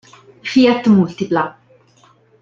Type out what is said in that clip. Fiat Multipla